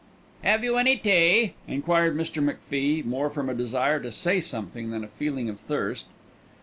"Have you any tea?" enquired Mr. McFie, more from a desire to say something than a feeling of thirst.